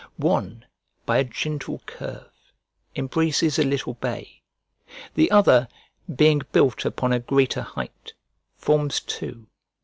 One, by a gentle curve, embraces a little bay; the other, being built upon a greater height, forms two.